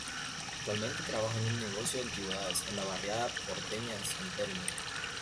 Actualmente trabaja en un negocio de antigüedades en la barriada porteña de San Telmo.